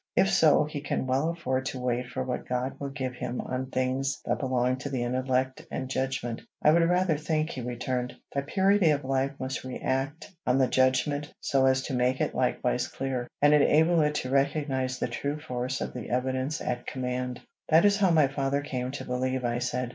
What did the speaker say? "If so, he can well afford to wait for what light God will give him on things that belong to the intellect and judgment." "I would rather think," he returned, "that purity of life must re act on the judgment, so as to make it likewise clear, and enable it to recognize the true force of the evidence at command." "That is how my father came to believe," I said.